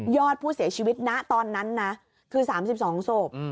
อดผู้เสียชีวิตณตอนนั้นนะคือ๓๒ศพ